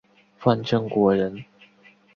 范正国人。